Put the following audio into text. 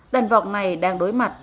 đàn vọc này đang đối mặt